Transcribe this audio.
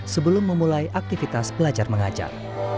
sebelum memulai aktivitas belajar mengajar